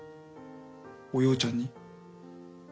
おようちゃんに？